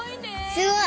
すごい。